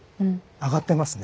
上がってますね。